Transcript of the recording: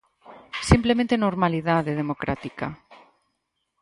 Simplemente normalidade democrática.